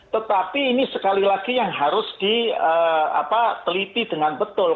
tetapi ini sekali lagi yang harus diteliti dengan betul